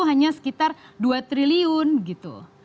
hanya sekitar dua triliun gitu